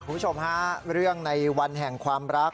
คุณผู้ชมฮะเรื่องในวันแห่งความรัก